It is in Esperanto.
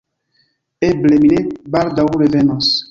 Eble, mi ne baldaŭ revenos.